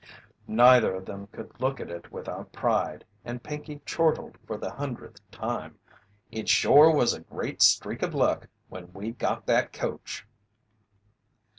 Neither of them could look at it without pride, and Pinkey chortled for the hundredth time: "It shore was a great streak of luck when we got that coach!"